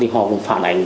họ cũng phản ảnh